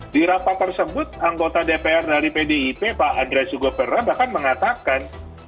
di rapat tersebut anggota dpr dari pdip pak andre sugo perra bahkan mengatakan